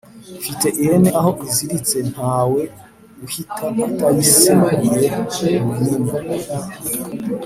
Mfite ihene aho iziritse ntawe uhita atayiseguye-Umunyinya.